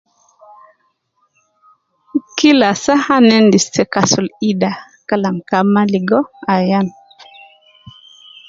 Kila saa ana endis the kasul ida Kalam kan maa ligo ayan